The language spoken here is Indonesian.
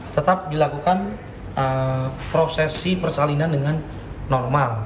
tetap dilakukan prosesi persalinan dengan normal